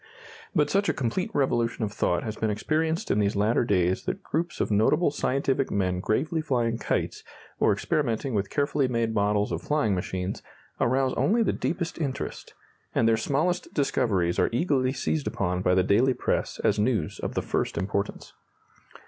But such a complete revolution of thought has been experienced in these latter days that groups of notable scientific men gravely flying kites, or experimenting with carefully made models of flying machines, arouse only the deepest interest, and their smallest discoveries are eagerly seized upon by the daily press as news of the first importance.